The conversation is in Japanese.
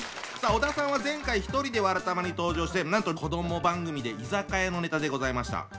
さあ小田さんは前回一人で「わらたま」に登場してなんと子ども番組で居酒屋のネタでございました。